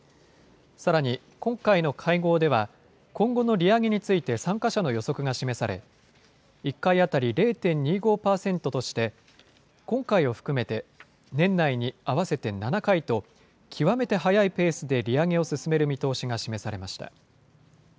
さらに、今回の会合では、今後の利上げについて参加者の予測が示され、１回当たり０．２５％として、今回を含めて年内に合わせて７回と、極めて速いペースで利上げを進める見通しが示されました。